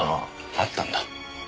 あったんだ。